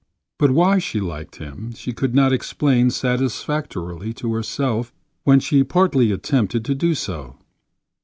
But why she liked him she could not explain satisfactorily to herself when she partly attempted to do so.